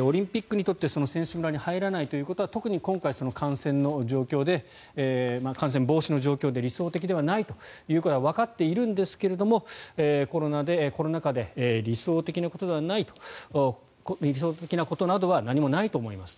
オリンピックにとってその選手村に入らないということは特に今回、感染防止の状況で理想的ではないということはわかっているんですがコロナ禍で理想的なことなどは何もないと思いますと。